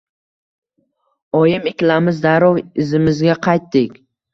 Oyim ikkalamiz darrov izimizga qaytdik.